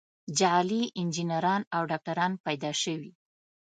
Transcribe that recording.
جعلي انجینران او ډاکتران پیدا شوي.